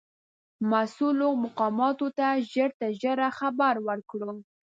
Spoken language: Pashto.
مسؤولو مقاماتو ته ژر تر ژره خبر ورکړو.